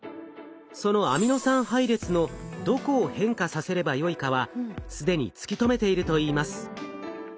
そのアミノ酸配列のどこを変化させればよいかは既に突き止めているといいます。